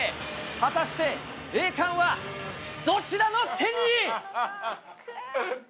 果たして、栄冠はどちらの手に。